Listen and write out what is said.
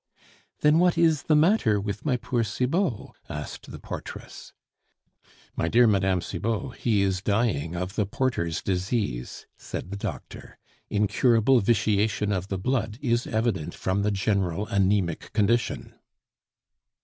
"Then what is the matter with my poor Cibot?" asked the portress. "My dear Mme. Cibot, he is dying of the porter's disease," said the doctor. "Incurable vitiation of the blood is evident from the general anaemic condition."